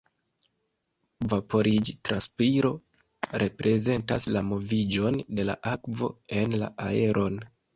Vaporiĝ-transpiro reprezentas la moviĝon de la akvo en la aeron.